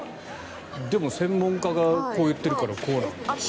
でも専門家がこう言ってるからこうなんでしょうね。